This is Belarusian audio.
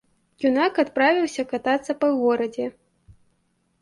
Юнак адправіўся катацца па горадзе.